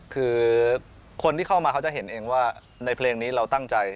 คือคนที่เข้ามาเขาจะเห็นเองว่าในเพลงนี้เราตั้งใจ